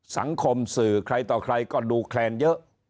สังคมสื่อใครต่อใครก็ดูแคลนเยอะ